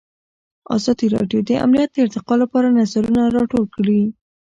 ازادي راډیو د امنیت د ارتقا لپاره نظرونه راټول کړي.